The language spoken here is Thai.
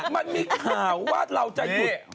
มันมีข่าวว่าเราจะหยุด